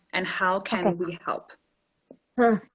dan bagaimana kita bisa membantu